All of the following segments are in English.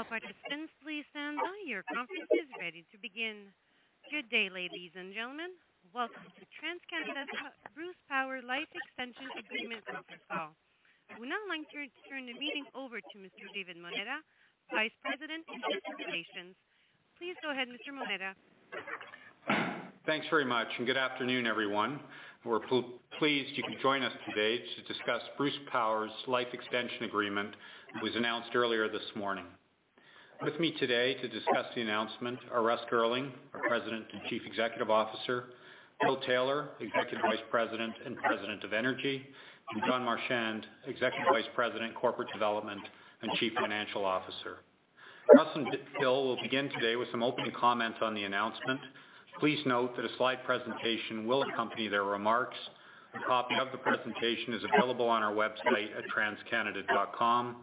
All participants, please stand by. Your conference is ready to begin. Good day, ladies and gentlemen. Welcome to TransCanada's Bruce Power Life Extension Agreement conference call. We'd now like to turn the meeting over to Mr. David Moneta, Vice President of Investor Relations. Please go ahead, Mr. Moneta. Thanks very much. Good afternoon, everyone. We're pleased you could join us today to discuss Bruce Power's life extension agreement that was announced earlier this morning. With me today to discuss the announcement are Russ Girling, our President and Chief Executive Officer; Bill Taylor, Executive Vice President and President of Energy; and Don Marchand, Executive Vice President, Corporate Development and Chief Financial Officer. Russ and Bill will begin today with some opening comments on the announcement. Please note that a slide presentation will accompany their remarks. A copy of the presentation is available on our website at transcanada.com. It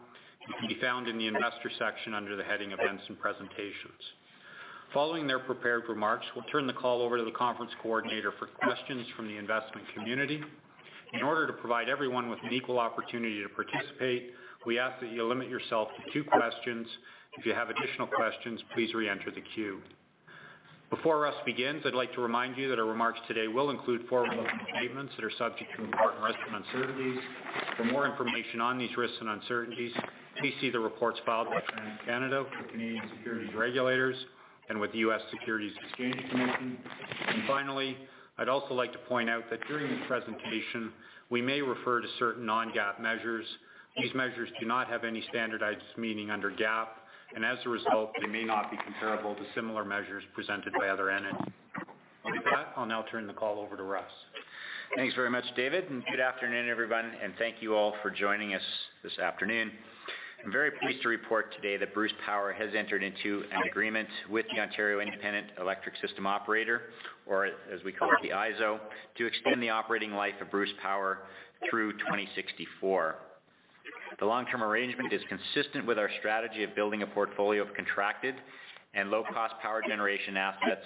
can be found in the investor section under the heading Events and Presentations. Following their prepared remarks, we'll turn the call over to the conference coordinator for questions from the investment community. In order to provide everyone with an equal opportunity to participate, we ask that you limit yourself to two questions. If you have additional questions, please re-enter the queue. Before Russ begins, I'd like to remind you that our remarks today will include forward-looking statements that are subject to important risks and uncertainties. For more information on these risks and uncertainties, please see the reports filed by TransCanada with Canadian securities regulators and with the U.S. Securities and Exchange Commission. Finally, I'd also like to point out that during the presentation, we may refer to certain non-GAAP measures. These measures do not have any standardized meaning under GAAP, and as a result, they may not be comparable to similar measures presented by other entities. With that, I'll now turn the call over to Russ. Thanks very much, David. Good afternoon, everyone. Thank you all for joining us this afternoon. I'm very pleased to report today that Bruce Power has entered into an agreement with the Ontario Independent Electricity System Operator, or as we call it, the IESO, to extend the operating life of Bruce Power through 2064. The long-term arrangement is consistent with our strategy of building a portfolio of contracted and low-cost power generation assets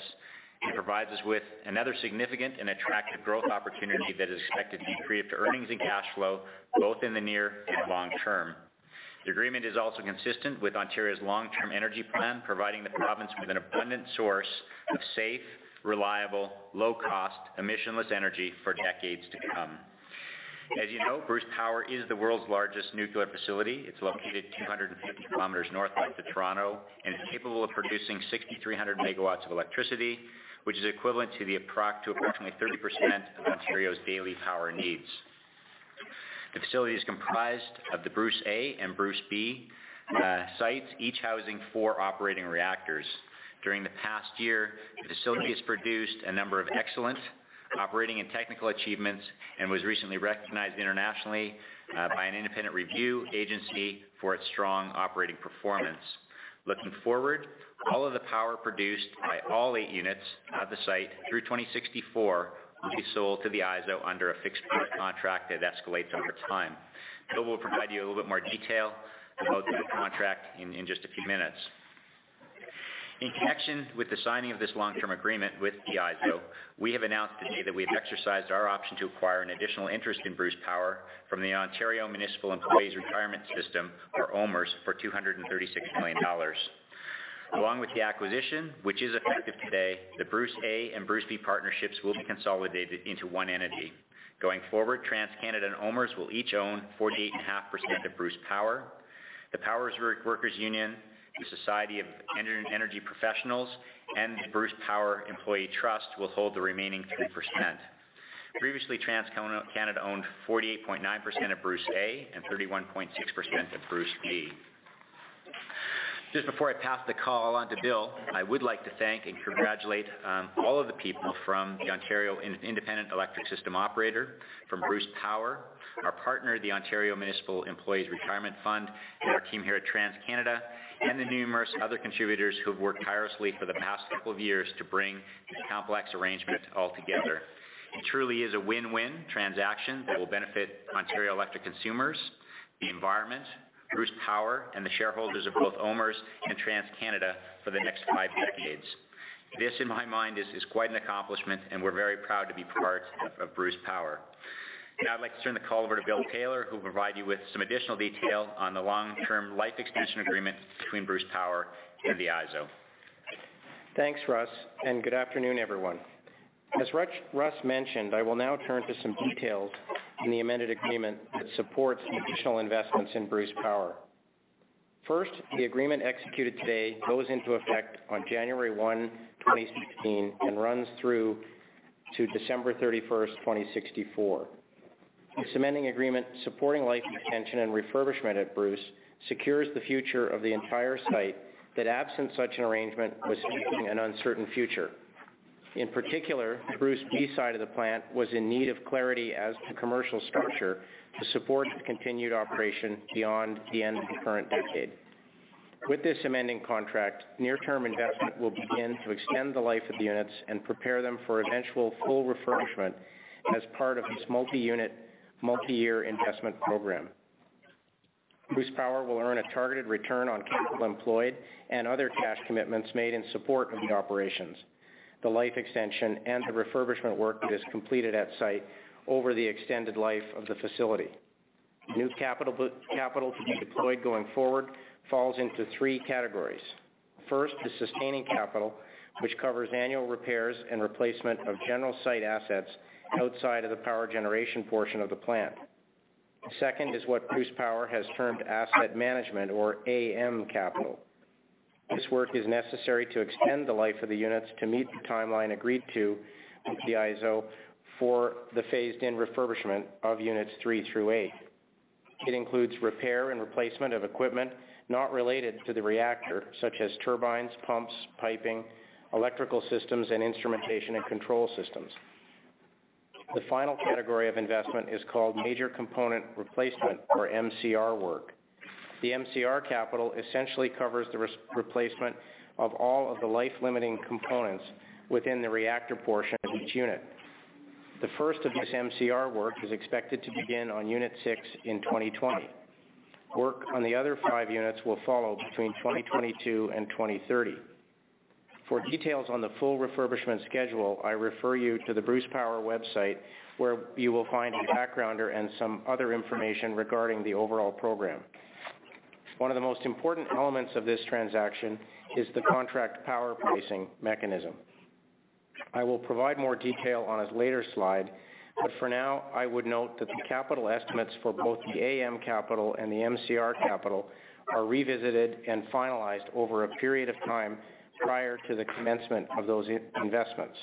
and provides us with another significant and attractive growth opportunity that is expected to increase earnings and cash flow both in the near and long term. The agreement is also consistent with Ontario's long-term energy plan, providing the province with an abundant source of safe, reliable, low-cost, emissionless energy for decades to come. As you know, Bruce Power is the world's largest nuclear facility. It's located 250 kilometers northwest of Toronto and is capable of producing 6,300 megawatts of electricity, which is equivalent to approximately 30% of Ontario's daily power needs. The facility is comprised of the Bruce A and Bruce B sites, each housing four operating reactors. During the past year, the facility has produced a number of excellent operating and technical achievements and was recently recognized internationally by an independent review agency for its strong operating performance. Looking forward, all of the power produced by all eight units at the site through 2064 will be sold to the IESO under a fixed-price contract that escalates over time. Bill will provide you a little bit more detail about the contract in just a few minutes. In connection with the signing of this long-term agreement with the IESO, we have announced today that we've exercised our option to acquire an additional interest in Bruce Power from the Ontario Municipal Employees Retirement System, or OMERS, for 236 million dollars. Along with the acquisition, which is effective today, the Bruce A and Bruce B partnerships will be consolidated into one entity. Going forward, TransCanada and OMERS will each own 48.5% of Bruce Power. The Power Workers' Union, the Society of Energy Professionals, and the Bruce Power Employee Trust will hold the remaining 3%. Previously, TransCanada owned 48.9% of Bruce A and 31.6% of Bruce B. Just before I pass the call on to Bill, I would like to thank and congratulate all of the people from the Ontario Independent Electric System Operator, from Bruce Power, our partner, the Ontario Municipal Employees Retirement System, and our team here at TransCanada, and the numerous other contributors who have worked tirelessly for the past couple of years to bring this complex arrangement all together. It truly is a win-win transaction that will benefit Ontario electric consumers, the environment, Bruce Power, and the shareholders of both OMERS and TransCanada for the next five decades. This, in my mind, is quite an accomplishment, and we're very proud to be part of Bruce Power. Now I'd like to turn the call over to Bill Taylor, who will provide you with some additional detail on the long-term life extension agreement between Bruce Power and the IESO. Thanks, Russ, and good afternoon, everyone. As Russ mentioned, I will now turn to some details in the amended agreement that supports additional investments in Bruce Power. First, the agreement executed today goes into effect on January 1, 2016, and runs through to December 31, 2064. This amending agreement supporting life extension and refurbishment at Bruce secures the future of the entire site that, absent such an arrangement, was facing an uncertain future. In particular, Bruce B side of the plant was in need of clarity as to commercial structure to support its continued operation beyond the end of the current decade. With this amending contract, near-term investment will begin to extend the life of the units and prepare them for eventual full refurbishment as part of this multi-unit, multi-year investment program. Bruce Power will earn a targeted return on capital employed and other cash commitments made in support of the operations. The life extension and the refurbishment work that is completed at site over the extended life of the facility. New capital to be deployed going forward falls into three categories. First is sustaining capital, which covers annual repairs and replacement of general site assets outside of the power generation portion of the plant. Second is what Bruce Power has termed asset management or AM capital. This work is necessary to extend the life of the units to meet the timeline agreed to with the ISO for the phased-in refurbishment of units three through eight. It includes repair and replacement of equipment not related to the reactor, such as turbines, pumps, piping, electrical systems, and instrumentation and control systems. The final category of investment is called Major Component Replacement, or MCR work. The MCR capital essentially covers the replacement of all of the life-limiting components within the reactor portion of each unit. The first of this MCR work is expected to begin on unit 6 in 2020. Work on the other 5 units will follow between 2022 and 2030. For details on the full refurbishment schedule, I refer you to the Bruce Power website, where you will find a backgrounder and some other information regarding the overall program. One of the most important elements of this transaction is the contract power pricing mechanism. I will provide more detail on a later slide, but for now, I would note that the capital estimates for both the AM capital and the MCR capital are revisited and finalized over a period of time prior to the commencement of those investments.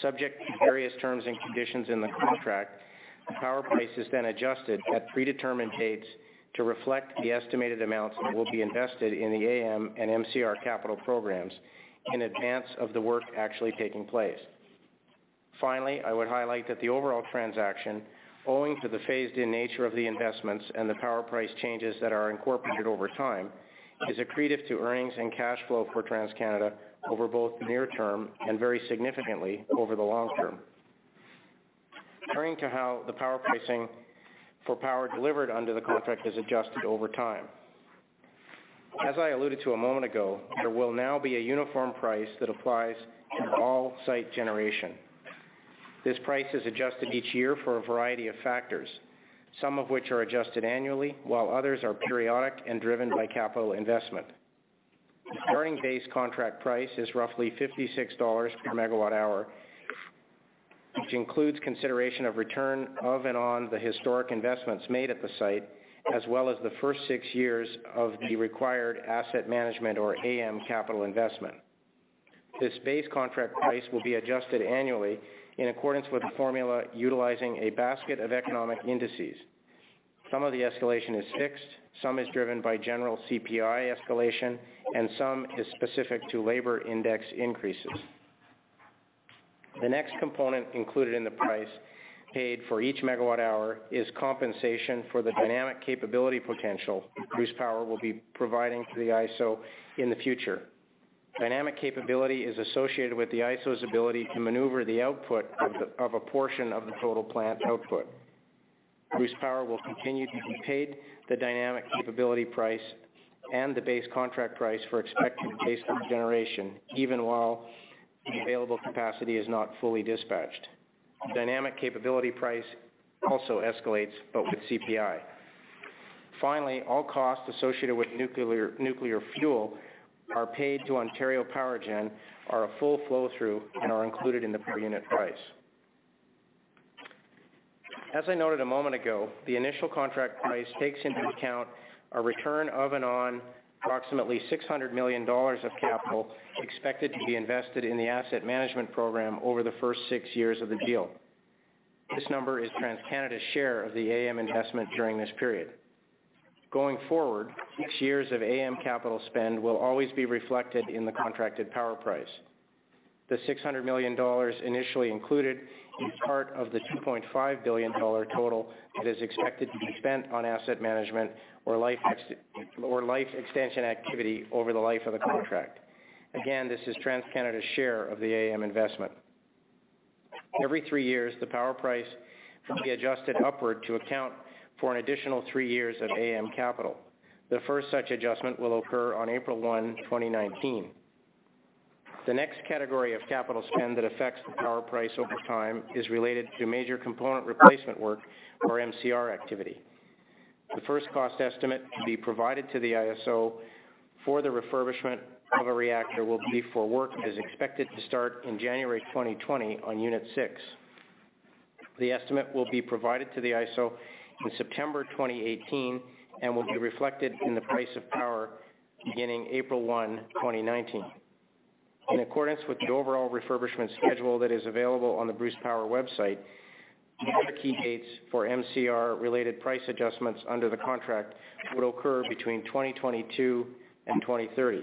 Subject to various terms and conditions in the contract, the power price is then adjusted at predetermined dates to reflect the estimated amounts that will be invested in the AM and MCR capital programs in advance of the work actually taking place. Finally, I would highlight that the overall transaction, owing to the phased-in nature of the investments and the power price changes that are incorporated over time, is accretive to earnings and cash flow for TransCanada over both the near term and very significantly over the long term. Turning to how the power pricing for power delivered under the contract is adjusted over time. As I alluded to a moment ago, there will now be a uniform price that applies to all site generation. This price is adjusted each year for a variety of factors, some of which are adjusted annually, while others are periodic and driven by capital investment. The earning base contract price is roughly 56 dollars per megawatt hour, which includes consideration of return of and on the historic investments made at the site, as well as the first six years of the required asset management or AM capital investment. This base contract price will be adjusted annually in accordance with a formula utilizing a basket of economic indices. Some of the escalation is fixed, some is driven by general CPI escalation, and some is specific to labor index increases. The next component included in the price paid for each megawatt hour is compensation for the dynamic capability potential Bruce Power will be providing to the ISO in the future. Dynamic capability is associated with the ISO's ability to maneuver the output of a portion of the total plant output. Bruce Power will continue to be paid the dynamic capability price and the base contract price for expected base load generation, even while the available capacity is not fully dispatched. Dynamic capability price also escalates, but with CPI. Finally, all costs associated with nuclear fuel are paid to Ontario Power Gen are a full flow-through and are included in the per-unit price. As I noted a moment ago, the initial contract price takes into account a return of and on approximately 600 million dollars of capital expected to be invested in the asset management program over the first six years of the deal. This number is TransCanada's share of the AM investment during this period. Going forward, six years of AM capital spend will always be reflected in the contracted power price. The 600 million dollars initially included is part of the 2.5 billion dollar total that is expected to be spent on asset management or life extension activity over the life of the contract. Again, this is TransCanada's share of the AM investment. Every three years, the power price will be adjusted upward to account for an additional three years of AM capital. The first such adjustment will occur on April 1, 2019. The next category of capital spend that affects the power price over time is related to Major Component Replacement work or MCR activity. The first cost estimate to be provided to the ISO for the refurbishment of a reactor will be for work that is expected to start in January 2020 on unit 6. The estimate will be provided to the ISO in September 2018 and will be reflected in the price of power beginning April 1, 2019. In accordance with the overall refurbishment schedule that is available on the Bruce Power website, the other key dates for MCR-related price adjustments under the contract would occur between 2022 and 2030.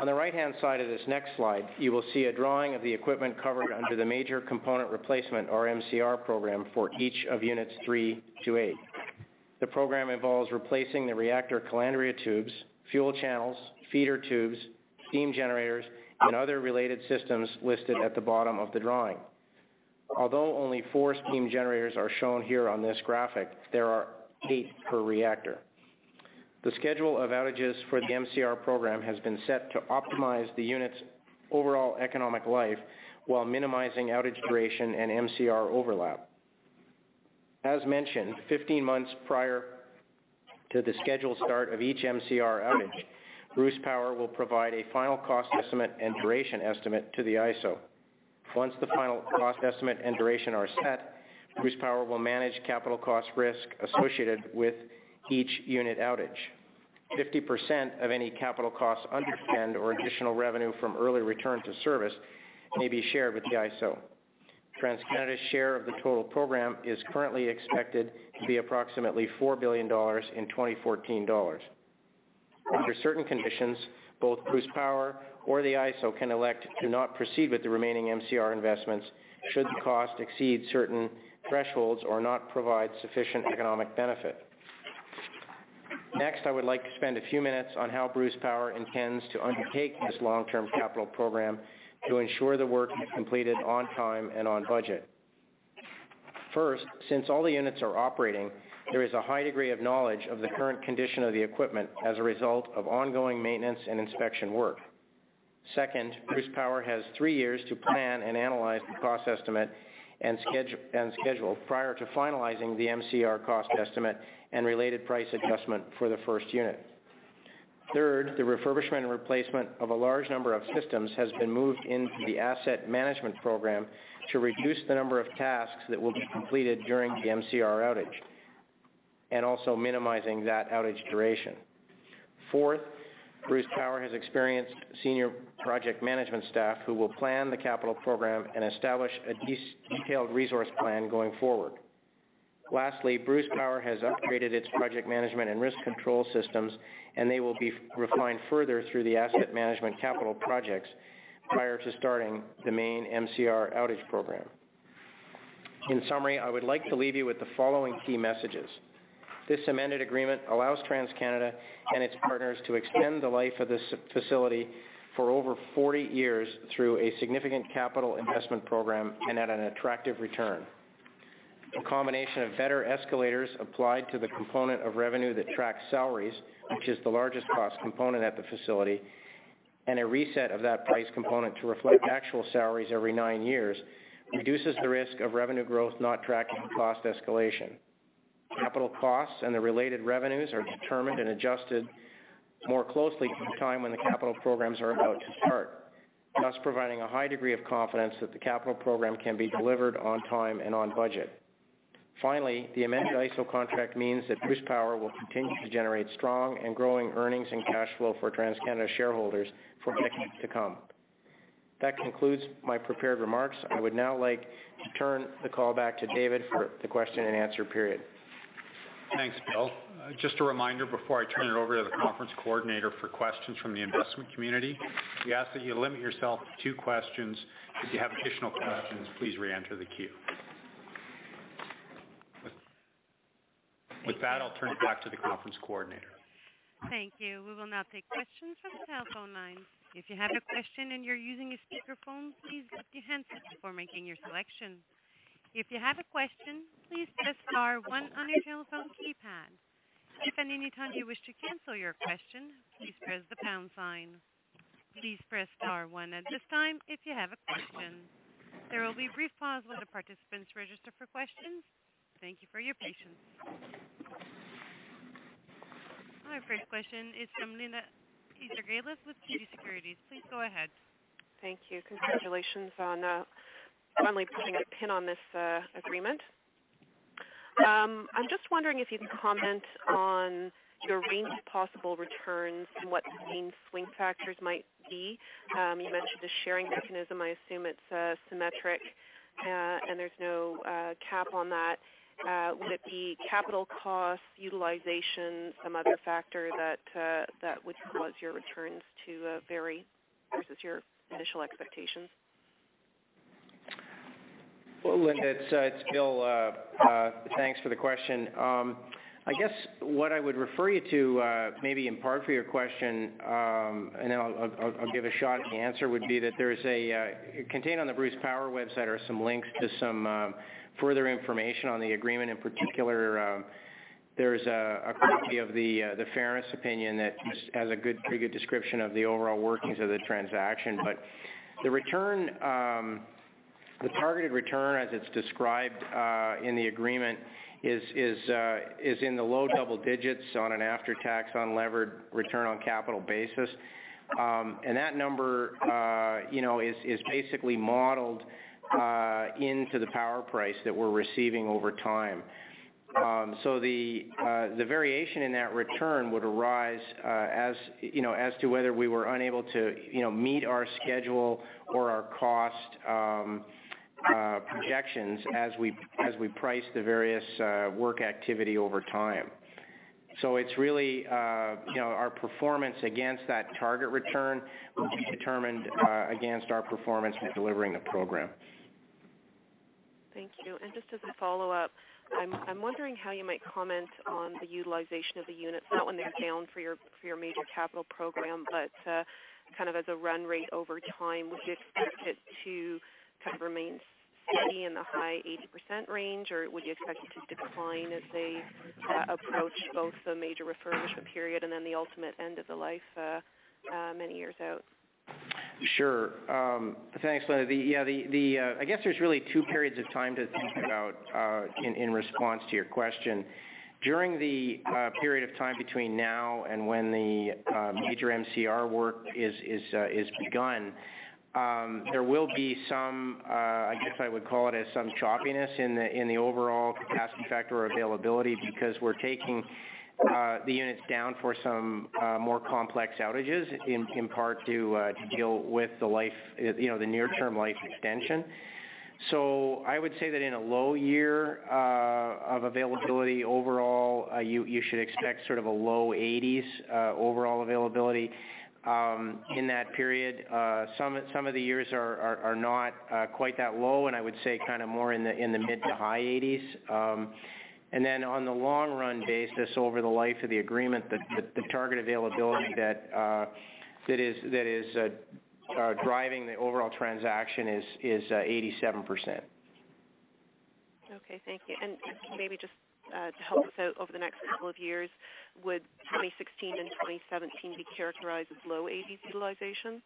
On the right-hand side of this next slide, you will see a drawing of the equipment covered under the Major Component Replacement, or MCR program, for each of units 3 to 8. The program involves replacing the reactor calandria tubes, fuel channels, feeder tubes, steam generators, and other related systems listed at the bottom of the drawing. Although only four steam generators are shown here on this graphic, there are eight per reactor. The schedule of outages for the MCR program has been set to optimize the unit's overall economic life while minimizing outage duration and MCR overlap. As mentioned, 15 months prior to the scheduled start of each MCR outage, Bruce Power will provide a final cost estimate and duration estimate to the ISO. Once the final cost estimate and duration are set, Bruce Power will manage capital cost risk associated with each unit outage. 50% of any capital cost underspend or additional revenue from early return to service may be shared with the ISO. TransCanada's share of the total program is currently expected to be approximately 4 billion dollars in 2014 dollars. Under certain conditions, both Bruce Power or the ISO can elect to not proceed with the remaining MCR investments should the cost exceed certain thresholds or not provide sufficient economic benefit. I would like to spend a few minutes on how Bruce Power intends to undertake this long-term capital program to ensure the work is completed on time and on budget. First, since all the units are operating, there is a high degree of knowledge of the current condition of the equipment as a result of ongoing maintenance and inspection work. Second, Bruce Power has three years to plan and analyze the cost estimate and schedule prior to finalizing the MCR cost estimate and related price adjustment for the first unit. Third, the refurbishment and replacement of a large number of systems has been moved into the asset management program to reduce the number of tasks that will be completed during the MCR outage, and also minimizing that outage duration. Bruce Power has experienced senior project management staff who will plan the capital program and establish a detailed resource plan going forward. Bruce Power has upgraded its project management and risk control systems, and they will be refined further through the asset management capital projects prior to starting the main MCR outage program. In summary, I would like to leave you with the following key messages. This amended agreement allows TransCanada and its partners to extend the life of this facility for over 40 years through a significant capital investment program and at an attractive return. A combination of better escalators applied to the component of revenue that tracks salaries, which is the largest cost component at the facility, and a reset of that price component to reflect actual salaries every nine years reduces the risk of revenue growth not tracking cost escalation. Capital costs and the related revenues are determined and adjusted more closely to the time when the capital programs are about to start, thus providing a high degree of confidence that the capital program can be delivered on time and on budget. The amended ISO contract means that Bruce Power will continue to generate strong and growing earnings and cash flow for TransCanada shareholders for decades to come. That concludes my prepared remarks. I would now like to turn the call back to David for the question and answer period. Thanks, Bill. Just a reminder before I turn it over to the conference coordinator for questions from the investment community. We ask that you limit yourself to two questions. If you have additional questions, please re-enter the queue. I'll turn it back to the conference coordinator. Thank you. We will now take questions from the telephone lines. If you have a question and you're using a speakerphone, please mute your handset before making your selection. If you have a question, please press star one on your telephone keypad. If at any time you wish to cancel your question, please press the pound sign. Please press star one at this time if you have a question. There will be a brief pause while the participants register for questions. Thank you for your patience. Our first question is from Linda Ezergailis with TD Securities. Please go ahead. Thank you. Congratulations on finally putting a pin on this agreement. I'm just wondering if you can comment on your range of possible returns and what the main swing factors might be. You mentioned the sharing mechanism. I assume it's symmetric. There's no cap on that. Would it be capital costs, utilization, some other factor that would cause your returns to vary versus your initial expectations? Well, Linda, it's Bill. Thanks for the question. I guess what I would refer you to, maybe in part for your question, then I'll give a shot at the answer, would be that contained on the Bruce Power website are some links to some further information on the agreement. In particular, there's a copy of the fairness opinion that has a pretty good description of the overall workings of the transaction. The targeted return as it's described in the agreement is in the low double digits on an after-tax, unlevered return on capital basis. That number is basically modeled into the power price that we're receiving over time. The variation in that return would arise as to whether we were unable to meet our schedule or our cost projections as we price the various work activity over time. It's really our performance against that target return will be determined against our performance in delivering the program. Thank you. Just as a follow-up, I'm wondering how you might comment on the utilization of the units, not when they're down for your major capital program, but as a run rate over time. Would you expect it to remain steady in the high 80% range, or would you expect it to decline as they approach both the major refurbishment period and then the ultimate end of the life many years out? Sure. Thanks, Linda. I guess there's really two periods of time to think about in response to your question. During the period of time between now and when the major MCR work is begun, there will be some, I guess I would call it some choppiness in the overall capacity factor or availability, because we're taking the units down for some more complex outages, in part to deal with the near-term life extension. I would say that in a low year of availability overall, you should expect low 80s overall availability in that period. Some of the years are not quite that low, and I would say more in the mid to high 80s. Then on the long-run basis, over the life of the agreement, the target availability that is driving the overall transaction is 87%. Okay, thank you. Maybe just to help us out over the next couple of years, would 2016 and 2017 be characterized as low 80s utilization?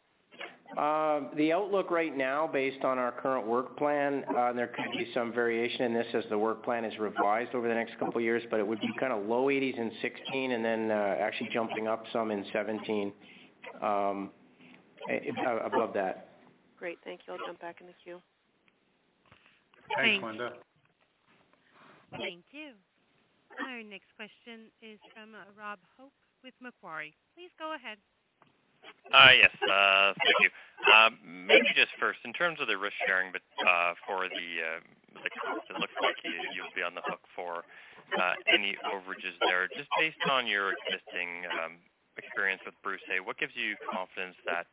The outlook right now, based on our current work plan, there could be some variation in this as the work plan is revised over the next couple of years, but it would be low 80s in 2016 and then actually jumping up some in 2017, above that. Great. Thank you. I'll jump back in the queue. Thanks, Linda. Thank you. Our next question is from Rob Hope with Macquarie. Please go ahead. Yes, thank you. Maybe just first, in terms of the risk sharing, for the cost, it looks like you'll be on the hook for any overages there. Just based on your existing experience with Bruce A, what gives you confidence that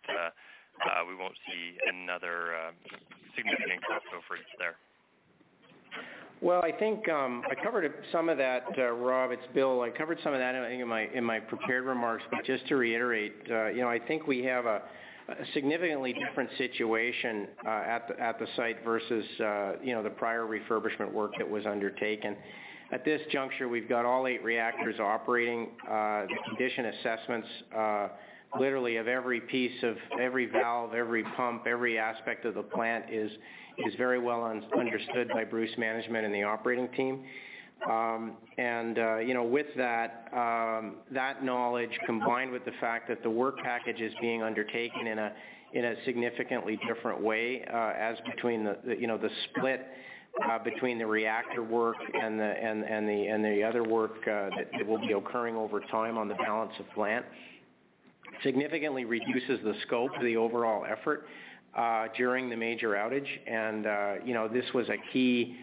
we won't see another significant cost overage there? Well, I think I covered some of that, Rob. It's Bill. I covered some of that, I think, in my prepared remarks. Just to reiterate, I think we have a significantly different situation at the site versus the prior refurbishment work that was undertaken. At this juncture, we've got all eight reactors operating. The condition assessments literally of every piece, of every valve, every pump, every aspect of the plant is very well understood by Bruce management and the operating team. With that knowledge, combined with the fact that the work package is being undertaken in a significantly different way, as between the split between the reactor work and the other work that will be occurring over time on the balance of plant, significantly reduces the scope, the overall effort during the major outage. This was a key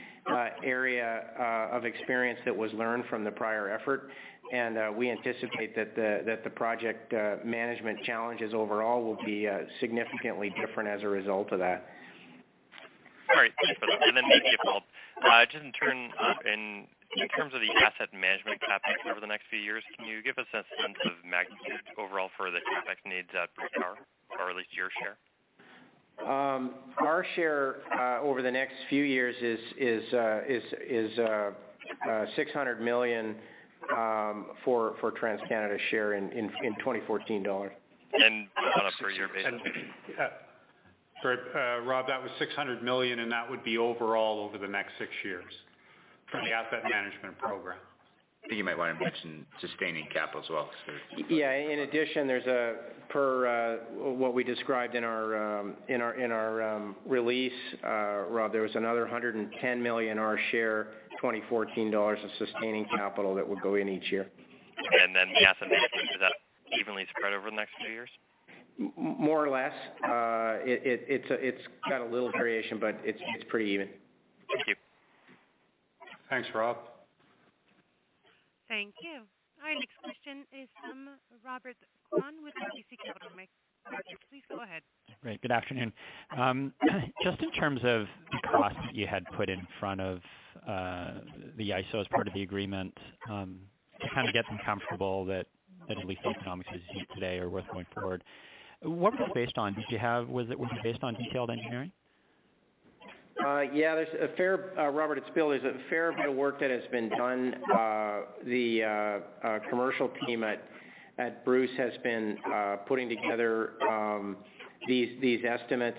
area of experience that was learned from the prior effort, and we anticipate that the project management challenges overall will be significantly different as a result of that. All right, thanks for that. Then maybe a follow-up. Just in terms of the asset management capital over the next few years, can you give us a sense of magnitude overall for the CapEx needs at Bruce Power, or at least your share? Our share over the next few years is 600 million for TransCanada's share in 2014 dollars. On a per year basis? Sorry, Rob, that was 600 million, that would be overall over the next six years for the asset management program. I think you might want to mention sustaining capital as well. Yeah, in addition, there's, per what we described in our release, Rob, there was another 110 million our share, 2014 dollars of sustaining capital that would go in each year. The asset management, is that evenly spread over the next few years? More or less. It's got a little variation, but it's pretty even. Thank you. Thanks, Rob. Thank you. Our next question is from Robert Kwan with RBC Capital Markets. Please go ahead. Great. Good afternoon. Just in terms of the cost that you had put in front of the ISO as part of the agreement, to kind of get them comfortable that at least the economics, as you see it today, are worth going forward, what was it based on? Was it based on detailed engineering? Yeah. Robert, it's Bill. There's a fair bit of work that has been done. The commercial team at Bruce Power has been putting together these estimates.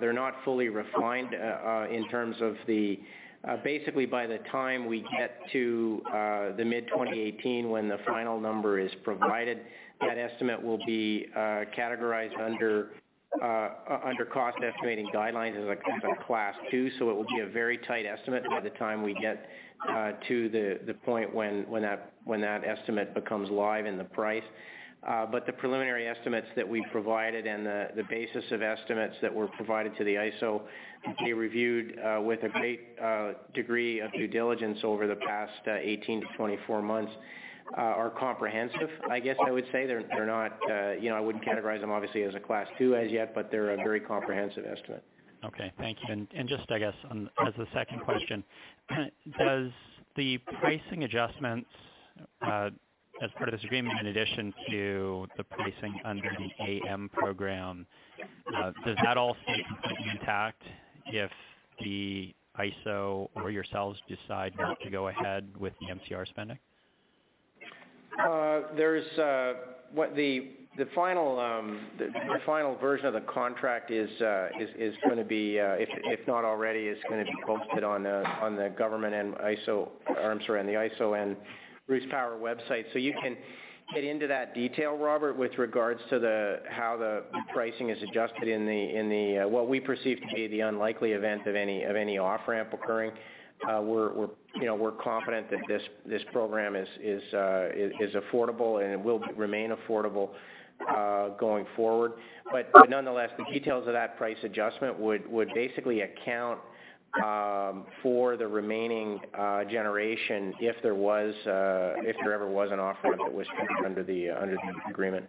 They're not fully refined in terms of the By the time we get to the mid-2018, when the final number is provided, that estimate will be categorized under cost estimating guidelines as a Class 2, so it will be a very tight estimate by the time we get to the point when that estimate becomes live in the price. The preliminary estimates that we provided and the basis of estimates that were provided to the ISO, they reviewed with a great degree of due diligence over the past 18 to 24 months, are comprehensive, I guess I would say. I wouldn't categorize them obviously as a Class 2 as yet, but they're a very comprehensive estimate. Okay, thank you. Just, I guess, as the second question, does the pricing adjustments As part of this agreement, in addition to the pricing under the AM program, does that all stay completely intact if the ISO or yourselves decide not to go ahead with the MCR spending? The final version of the contract is going to be, if not already, is going to be posted on the government and ISO, or I'm sorry, on the ISO and Bruce Power website. You can get into that detail, Robert, with regards to how the pricing is adjusted in what we perceive to be the unlikely event of any off-ramp occurring. We're confident that this program is affordable and it will remain affordable going forward. Nonetheless, the details of that price adjustment would basically account for the remaining generation if there ever was an off-ramp that was taken under the agreement.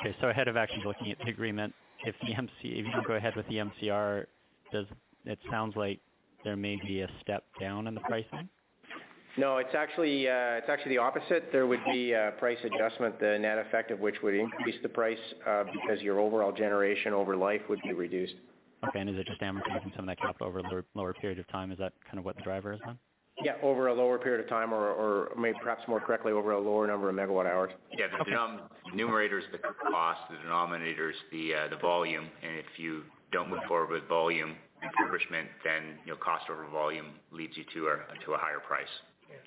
Okay. Ahead of actually looking at the agreement, if you don't go ahead with the MCR, it sounds like there may be a step down in the pricing? No, it's actually the opposite. There would be a price adjustment, the net effect of which would increase the price, because your overall generation over life would be reduced. Okay. Is it just averaging, so you can somehow make it up over a lower period of time? Is that kind of what the driver is on? Yeah, over a lower period of time or perhaps more correctly, over a lower number of megawatt hours. Yeah. The numerator is the cost, the denominator is the volume, and if you don't move forward with volume enrichment, then cost over volume leads you to a higher price.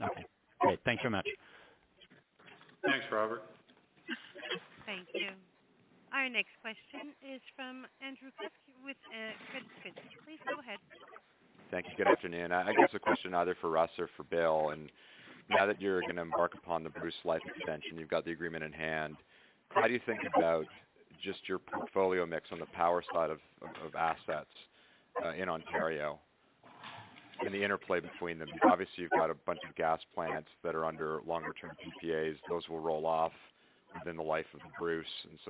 Okay. All right. Thanks very much. Thanks, Robert. Thank you. Our next question is from Andrew Kuske with Credit Suisse. Please go ahead. Thank you. Good afternoon. I guess a question either for Russ or for Bill, now that you're going to embark upon the Bruce life extension, you've got the agreement in hand, how do you think about just your portfolio mix on the power side of assets in Ontario and the interplay between them? Obviously you've got a bunch of gas plants that are under longer-term PPAs. Those will roll off within the life of Bruce.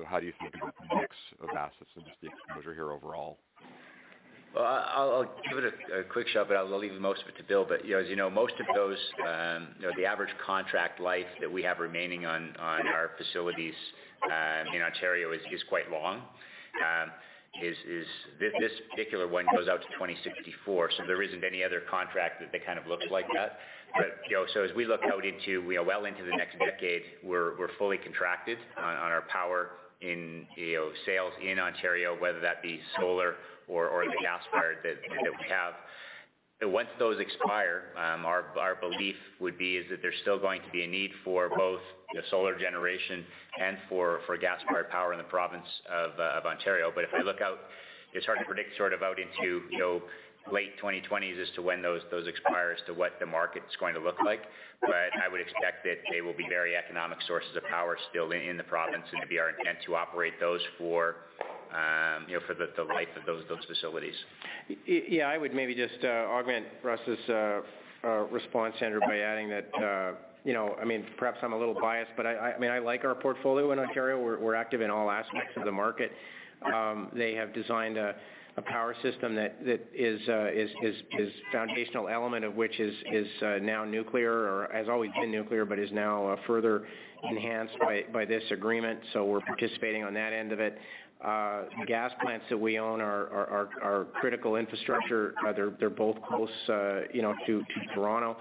How do you think about the mix of assets in this deal as you're here overall? Well, I'll give it a quick shot, I'll leave the most of it to Bill. As you know, most of those, the average contract life that we have remaining on our facilities in Ontario is quite long. This particular one goes out to 2064, there isn't any other contract that kind of looks like that. As we look out into, we are well into the next decade, we're fully contracted on our power in sales in Ontario, whether that be solar or the gas-fired that we have. Once those expire, our belief would be is that there's still going to be a need for both solar generation and for gas-fired power in the province of Ontario. If I look out, it's hard to predict sort of out into late 2020s as to when those expire as to what the market's going to look like. I would expect that they will be very economic sources of power still in the province and it'd be our intent to operate those for the life of those facilities. I would maybe just augment Russ's response, Andrew, by adding that, perhaps I'm a little biased, I like our portfolio in Ontario. We're active in all aspects of the market. They have designed a power system that its foundational element of which is now nuclear or has always been nuclear, but is now further enhanced by this agreement. We're participating on that end of it. Gas plants that we own are critical infrastructure. They're both close to Toronto.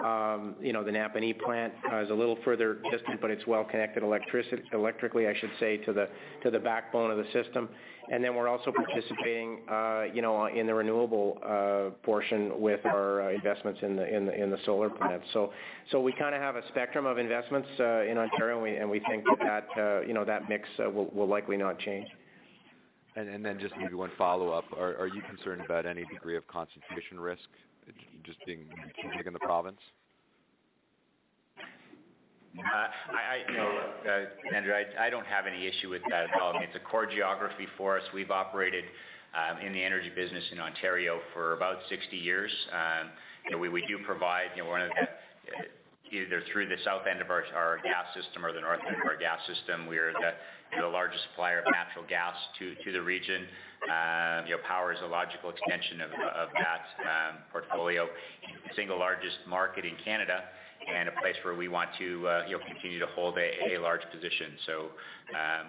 The Napanee plant is a little further distant, but it's well-connected electrically, I should say, to the backbone of the system. Then we're also participating in the renewable portion with our investments in the solar plants. We kind of have a spectrum of investments in Ontario, and we think that mix will likely not change. Then just maybe one follow-up. Are you concerned about any degree of concentration risk, just being big in the province? No, Andrew, I don't have any issue with that at all. I mean, it's a core geography for us. We've operated in the energy business in Ontario for about 60 years. We do provide either through the south end of our gas system or the north end of our gas system, we are the largest supplier of natural gas to the region. Power is a logical extension of that portfolio. The single largest market in Canada and a place where we want to continue to hold a large position.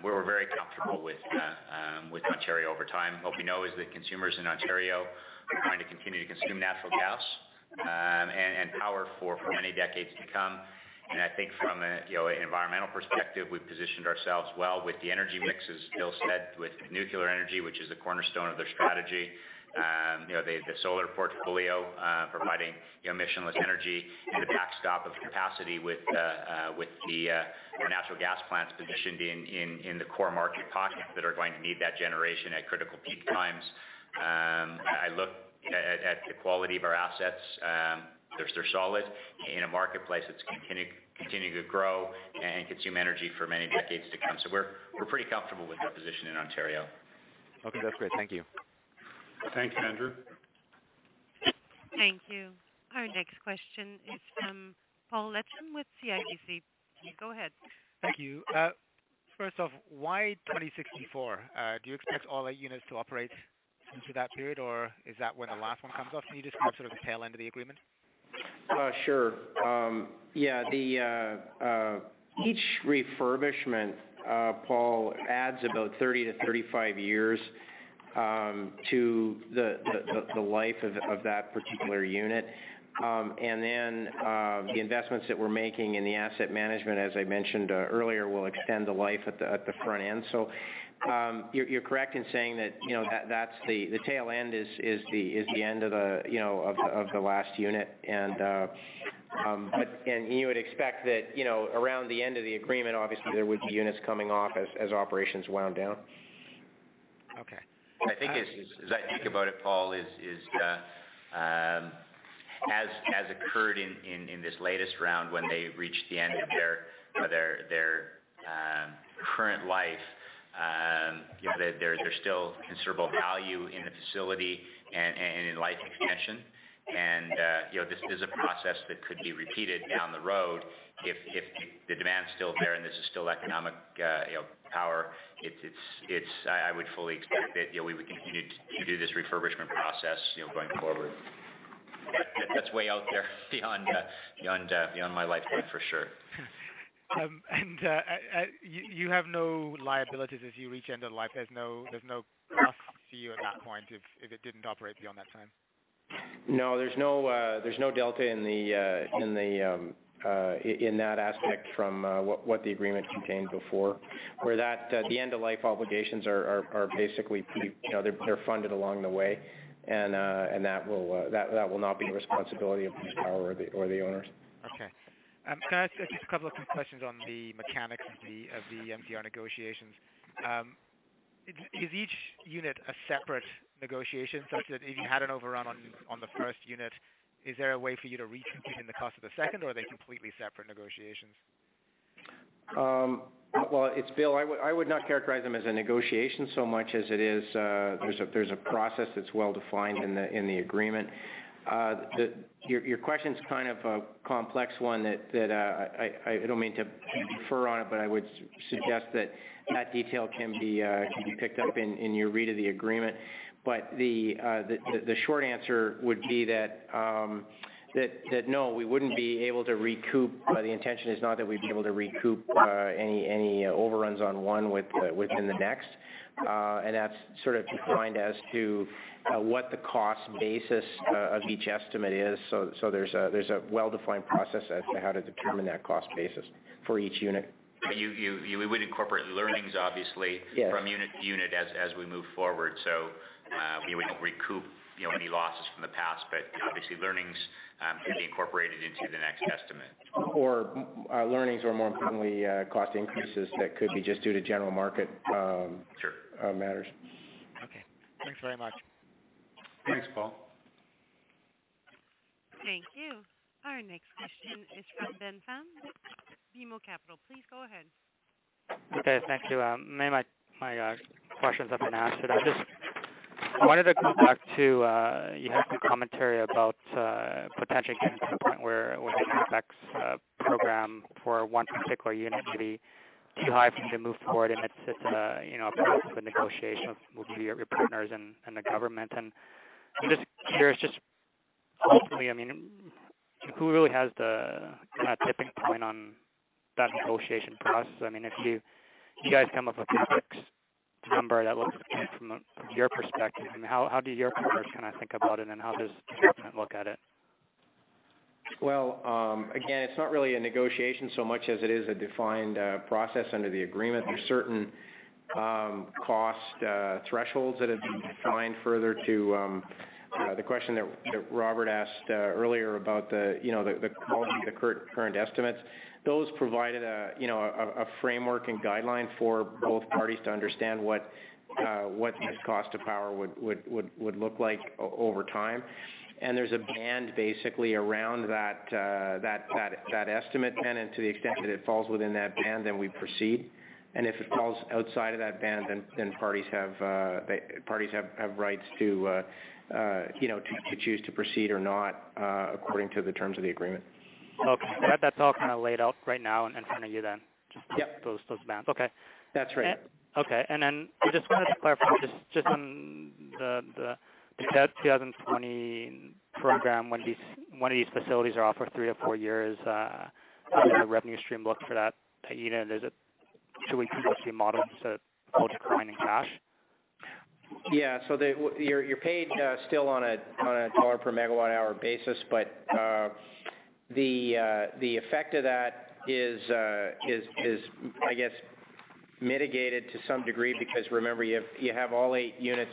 We're very comfortable with Ontario over time. What we know is that consumers in Ontario are going to continue to consume natural gas and power for many decades to come. I think from an environmental perspective, we've positioned ourselves well with the energy mixes, Bill said, with nuclear energy, which is the cornerstone of their strategy. The solar portfolio providing emissionless energy and the backstop of capacity with the more natural gas plants positioned in the core market pockets that are going to need that generation at critical peak times. I look at the quality of our assets. They're solid in a marketplace that's continuing to grow and consume energy for many decades to come. We're pretty comfortable with our position in Ontario. Okay. That's great. Thank you. Thanks, Andrew. Thank you. Our next question is from Paul Lechem with CIBC. Please go ahead. Thank you. First off, why 2064? Do you expect all eight units to operate into that period, or is that when the last one comes off, and you just grab sort of the tail end of the agreement? Sure. Yeah. Each refurbishment, Paul, adds about 30 to 35 years to the life of that particular unit. The investments that we're making in the asset management, as I mentioned earlier, will extend the life at the front end. You're correct in saying that the tail end is the end of the last unit. You would expect that around the end of the agreement, obviously, there would be units coming off as operations wound down. Okay. As I think about it, Paul, as occurred in this latest round when they reached the end of their current life, there's still considerable value in the facility and in life extension. This is a process that could be repeated down the road if the demand's still there and this is still economic power. I would fully expect that we would continue to do this refurbishment process going forward. That's way out there beyond my life point, for sure. You have no liabilities as you reach end of life? There's no cost to you at that point if it didn't operate beyond that time? No, there's no delta in that aspect from what the agreement contained before. The end-of-life obligations are basically funded along the way, and that will not be the responsibility of Bruce Power or the owners. Okay. Can I ask just a couple of quick questions on the mechanics of the MCR negotiations? Is each unit a separate negotiation? Such that if you had an overrun on the first unit, is there a way for you to recoup even the cost of the second, or are they completely separate negotiations? Well, it's Bill. I would not characterize them as a negotiation so much as it is, there's a process that's well-defined in the agreement. Your question's kind of a complex one that I don't mean to defer on it, but I would suggest that detail can be picked up in your read of the agreement. The short answer would be that, no, we wouldn't be able to recoup. The intention is not that we'd be able to recoup any overruns on one within the next. That's sort of defined as to what the cost basis of each estimate is. There's a well-defined process as to how to determine that cost basis for each unit. We would incorporate learnings, obviously. Yes from unit to unit as we move forward. We wouldn't recoup any losses from the past, but obviously learnings could be incorporated into the next estimate. learnings or, more importantly, cost increases that could be just due to general. Sure matters. Okay. Thanks very much. Thanks, Paul. Thank you. Our next question is from Ben Pham with BMO Capital. Please go ahead. Okay. Thank you. Many of my questions have been answered, but I just wanted to go back to, you had some commentary about potentially getting to the point where the CapEx program for one particular unit could be too high for you to move forward, and it's a process of negotiation with your partners and the government. I'm just curious, ultimately, who really has the kind of tipping point on that negotiation process? If you guys come up with a fixed number that looks okay from your perspective, how do your partners kind of think about it, and how does the government look at it? Well, again, it's not really a negotiation so much as it is a defined process under the agreement. There's certain cost thresholds that have been defined. Further to the question that Robert asked earlier about the quality of the current estimates. Those provided a framework and guideline for both parties to understand what this cost of power would look like over time. There's a band basically around that estimate then. To the extent that it falls within that band, then we proceed. If it falls outside of that band, then parties have rights to choose to proceed or not according to the terms of the agreement. Okay. That's all kind of laid out right now in front of you then? Yep. Those bands. Okay. That's right. Okay. Then I just wanted to clarify, just on the 2020 program, when these facilities are off for three to four years, how does the revenue stream look for that unit? Should we think of the model as a hold to earning cash? You're paid still on a dollar-per-megawatt hour basis, but the effect of that is, I guess, mitigated to some degree because remember, you have all eight units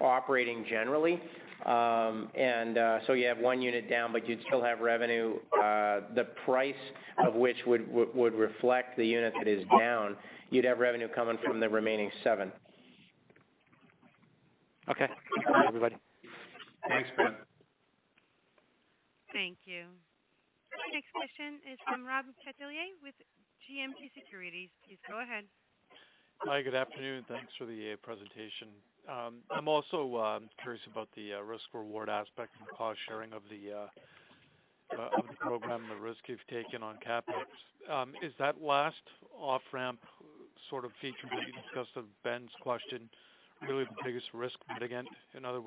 operating generally. You have one unit down, but you'd still have revenue. The price of which would reflect the unit that is down. You'd have revenue coming from the remaining seven. Okay. Thanks, everybody. Thanks, Ben. Thank you. Next question is from Robert Catellier with GMP Securities. Please go ahead. Hi, good afternoon. Thanks for the presentation. I'm also curious about the risk/reward aspect and the cost-sharing of the- Of the program, the risk you've taken on capital. Is that last off-ramp feature, because of Ben's question, really the biggest risk mitigant? In other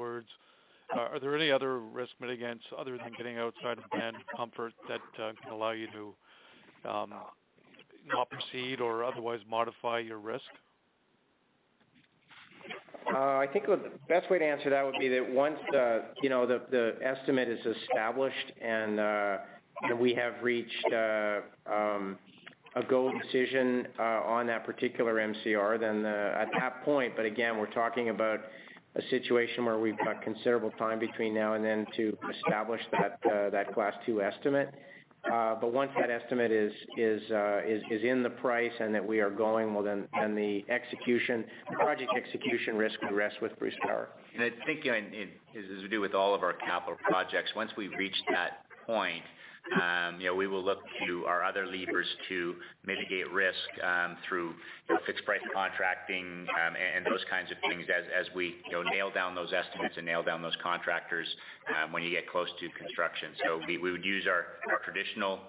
words, are there any other risk mitigants other than getting outside of band comfort that can allow you to not proceed or otherwise modify your risk? I think the best way to answer that would be that once the estimate is established and we have reached a go decision on that particular MCR, then at that point, but again, we're talking about a situation where we've got considerable time between now and then to establish that Class 2 estimate. Once that estimate is in the price and that we are going, well, then the project execution risk rests with Bruce Power. I think, as with all of our capital projects, once we've reached that point, we will look to our other levers to mitigate risk through fixed price contracting and those kinds of things as we nail down those estimates and nail down those contractors when you get close to construction. We would use our traditional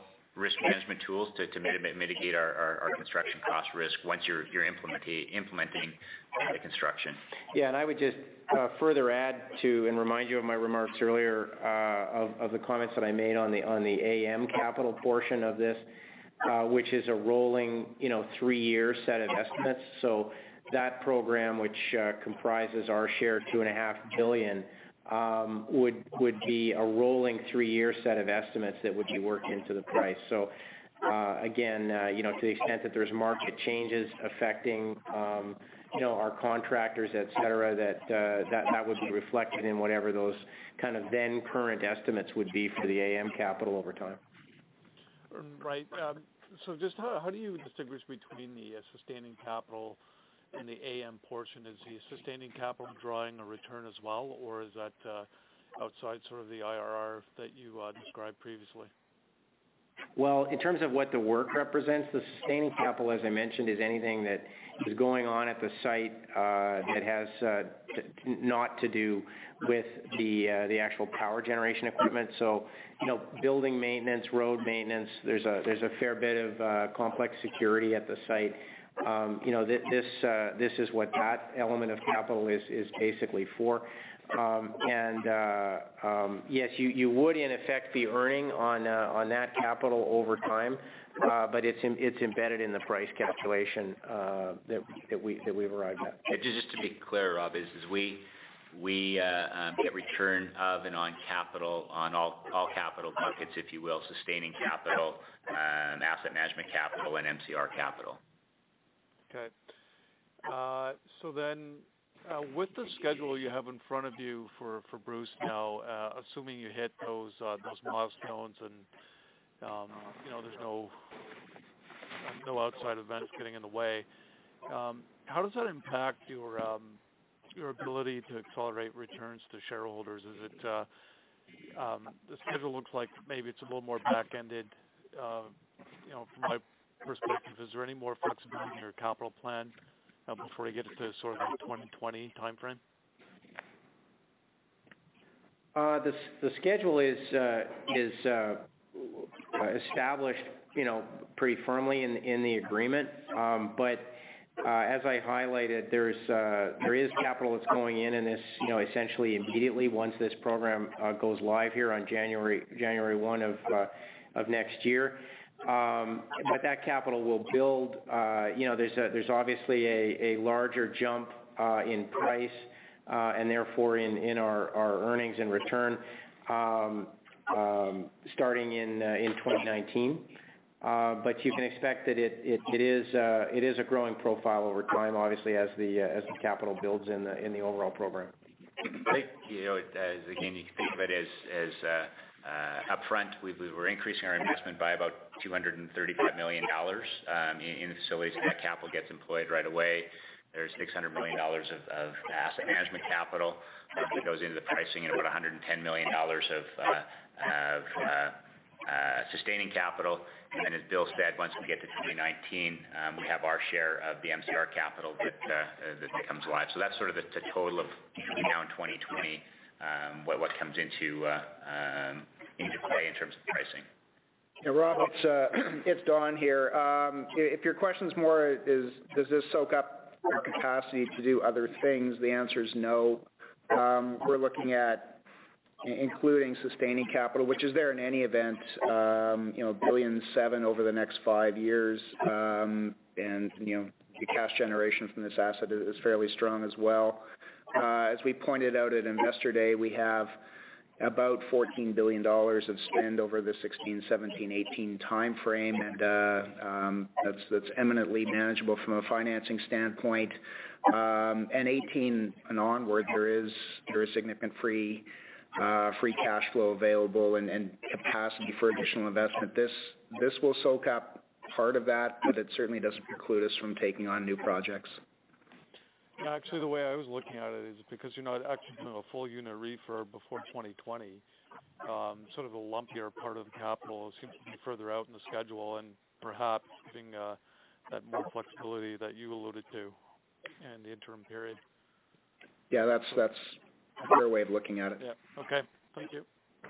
risk management tools to mitigate our construction cost risk once you're implementing the construction. I would just further add to, and remind you of my remarks earlier, of the comments that I made on the AM capital portion of this, which is a rolling three-year set of estimates. That program, which comprises our share, 2.5 billion, would be a rolling three-year set of estimates that would be worked into the price. Again, to the extent that there's market changes affecting our contractors, et cetera, that would be reflected in whatever those then-current estimates would be for the AM capital over time. Just how do you distinguish between the sustaining capital and the AM portion? Is the sustaining capital drawing a return as well, or is that outside the IRR that you described previously? In terms of what the work represents, the sustaining capital, as I mentioned, is anything that is going on at the site, that has naught to do with the actual power generation equipment. Building maintenance, road maintenance, there's a fair bit of complex security at the site. This is what that element of capital is basically for. Yes, you would in effect be earning on that capital over time. It's embedded in the price calculation that we've arrived at. Just to be clear, Rob, is we get return of and on capital on all capital buckets, if you will, sustaining capital, asset management capital and MCR capital. Okay. With the schedule you have in front of you for Bruce now, assuming you hit those milestones and there's no outside events getting in the way, how does that impact your ability to accelerate returns to shareholders? The schedule looks like maybe it's a little more back-ended, from my perspective. Is there any more flexibility in your capital plan before we get to the 2020 timeframe? The schedule is established pretty firmly in the agreement. As I highlighted, there is capital that's going in, and it's essentially immediately once this program goes live here on January 1 of next year. That capital will build. There's obviously a larger jump in price, and therefore in our earnings and return, starting in 2019. You can expect that it is a growing profile over time, obviously, as the capital builds in the overall program. I think, again, you can think of it as upfront, we were increasing our investment by about 235 million dollars in facilities, and that capital gets employed right away. There's 600 million dollars of asset management capital that goes into the pricing and about 110 million dollars of sustaining capital. Then, as Bill said, once we get to 2019, we have our share of the MCR capital that comes alive. That's the total of coming down 2020, what comes into play in terms of the pricing. Yeah, Rob, it's Don here. If your question's more is, does this soak up our capacity to do other things? The answer is no. We're looking at including sustaining capital, which is there in any event, 1.7 billion over the next five years. The cash generation from this asset is fairly strong as well. As we pointed out at Investor Day, we have about 14 billion dollars of spend over the 2016, 2017, 2018 timeframe, and that's imminently manageable from a financing standpoint. 2018 and onward, there is significant free cash flow available and capacity for additional investment. This will soak up part of that, but it certainly doesn't preclude us from taking on new projects. Actually, the way I was looking at it is because actually doing a full unit refurb before 2020, a lumpier part of the capital seems to be further out in the schedule and perhaps giving that more flexibility that you alluded to in the interim period. Yeah, that's a fair way of looking at it. Yeah. Okay. Thank you.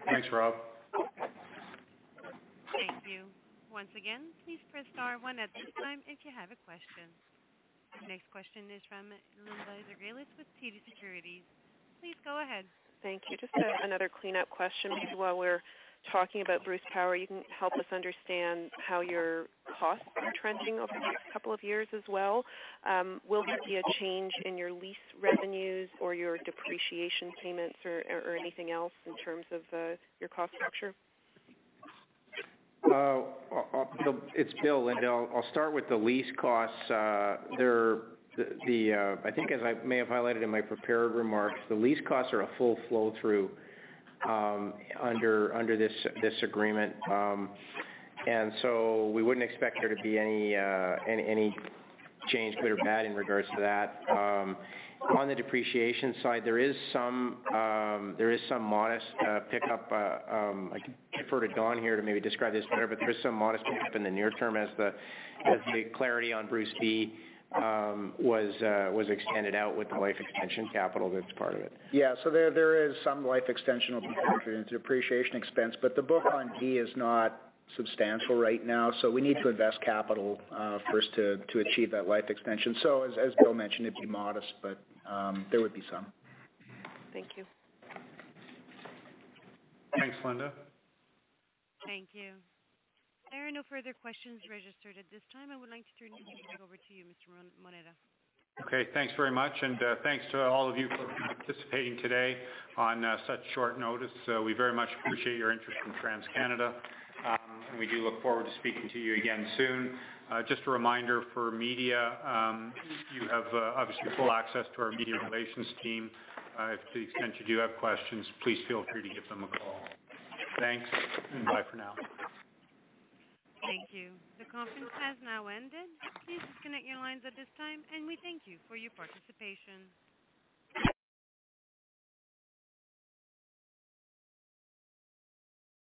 Thanks, Rob. Thank you. Once again, please press star one at this time if you have a question. The next question is from Linda Ezergailis with TD Securities. Please go ahead. Thank you. Just another cleanup question. While we're talking about Bruce Power, you can help us understand how your costs are trending over the next couple of years as well. Will there be a change in your lease revenues or your depreciation payments or anything else in terms of your cost structure? It's Bill. Linda, I'll start with the lease costs. I think as I may have highlighted in my prepared remarks, the lease costs are a full flow-through under this agreement. So we wouldn't expect there to be any change, good or bad, in regards to that. On the depreciation side, there is some modest pickup. I could defer to Don here to maybe describe this better, but there's some modest pickup in the near term as the clarity on Bruce B was extended out with the life extension capital that's part of it. Yeah. There is some life extensional component to the depreciation expense, but the book on B is not substantial right now. We need to invest capital first to achieve that life extension. As Bill mentioned, it'd be modest, but there would be some. Thank you. Thanks, Linda. Thank you. There are no further questions registered at this time. I would like to turn the meeting back over to you, Mr. Moneta. Okay, thanks very much, and thanks to all of you for participating today on such short notice. We very much appreciate your interest in TransCanada, and we do look forward to speaking to you again soon. Just a reminder for media, you have obviously full access to our media relations team. To the extent you do have questions, please feel free to give them a call. Thanks, and bye for now. Thank you. The conference has now ended. Please disconnect your lines at this time, and we thank you for your participation.